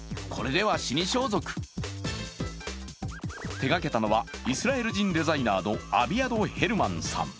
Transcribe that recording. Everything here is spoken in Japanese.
手がけたのはイスラエル人デザイナーのアビアド・ヘルマンさん。